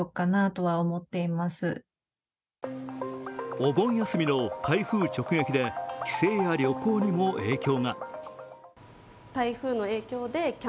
お盆休みの台風直撃で帰省や旅行にも影響が。